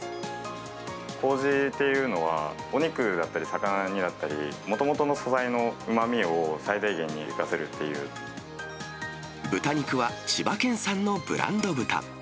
こうじっていうのは、お肉だったり、魚にだったり、もともとの素材のうまみを最大限に生かせ豚肉は千葉県産のブランド豚。